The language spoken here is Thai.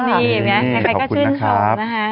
นี่แม่ใครก็ชื่นตรงนะคะ